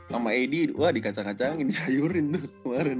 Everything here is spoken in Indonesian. sama ad wah dikacang kacangin sayurin tuh kemaren